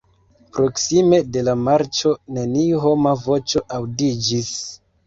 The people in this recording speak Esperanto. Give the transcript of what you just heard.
Proksime de la marĉo neniu homa voĉo aŭdiĝis.